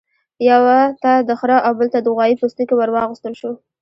یوه ته د خرۀ او بل ته د غوايي پوستکی ورواغوستل شو.